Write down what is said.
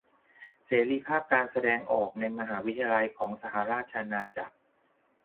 เสรีภาพการแสดงออกในมหาวิทยาลัยของสหราชอาณาจักร